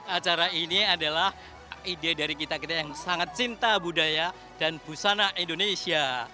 acara ini adalah ide dari kita kita yang sangat cinta budaya dan busana indonesia